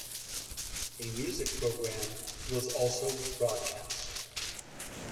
A music programme was also broadcast.